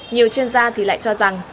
nhiều chuyên gia thì lại cho rằng